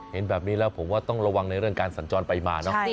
เห็นแบบนี้แล้วผมว่าต้องระวังในเรื่องการสัญจรไปมาเนอะ